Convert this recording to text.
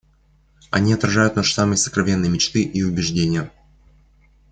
Они отражают наши самые сокровенные мечты и убеждения.